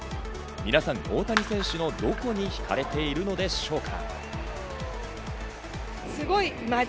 皆さん、大谷選手のどこにひかれているのでしょうか？